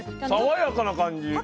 爽やかな感じ。